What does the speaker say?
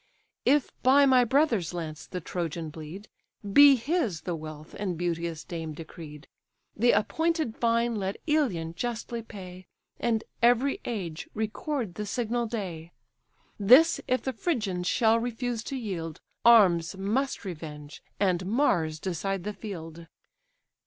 If by my brother's lance the Trojan bleed, Be his the wealth and beauteous dame decreed: The appointed fine let Ilion justly pay, And every age record the signal day. This if the Phrygians shall refuse to yield, Arms must revenge, and Mars decide the field."